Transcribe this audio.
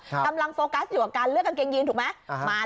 กำลังโฟกัสอยู่กับการเลือกกางเกงยีนถูกไหม